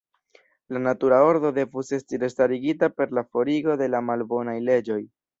La natura ordo devus esti restarigita per la forigo de la malbonaj leĝoj.